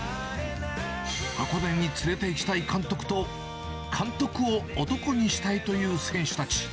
箱根に連れていきたい監督と、監督を男にしたいという選手たち。